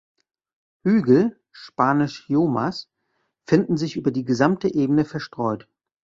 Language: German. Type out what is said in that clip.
Hügel (Spanisch "lomas") finden sich über die gesamte Ebene verstreut.